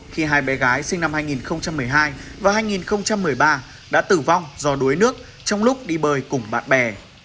khi hai bé gái sinh năm hai nghìn một mươi hai và hai nghìn một mươi ba đã tử vong do đuối nước trong lúc đi bơi cùng bạn bè